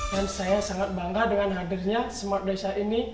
dan saya sangat bangga dengan hadirnya smart desa ini